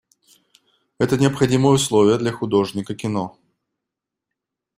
Это необходимое условие для художника кино.